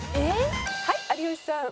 はい有吉さん。